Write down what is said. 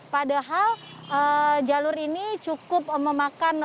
padahal jalur ini cukup memakan